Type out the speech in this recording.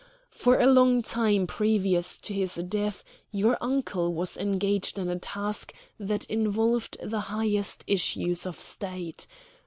For a long time previous to his death your uncle was engaged in a task that involved the highest issues of State.